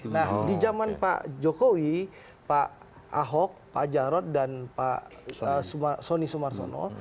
nah di jaman pak jokowi pak ahok pak jarot dan pak sonny sumarsono